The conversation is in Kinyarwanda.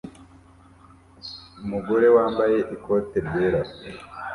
Umugore wambaye ikote ryera